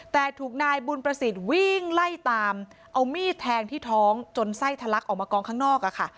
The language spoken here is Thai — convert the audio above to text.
แต่ถูกนายบุญประสิทธิ์วิ่งไล่ตามเอามีดแทงที่ท้องจนไส้ทะลักออกมากองข้างนอกอะค่ะ